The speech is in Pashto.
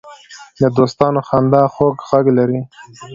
د دوستانو خندا خوږ غږ لري